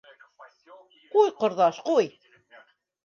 — Ҡуй, ҡорҙаш, ҡуй.